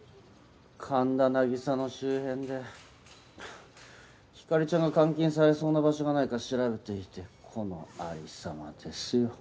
神田凪沙の周辺で光莉ちゃんが監禁されそうな場所がないか調べていてこのありさまですよ。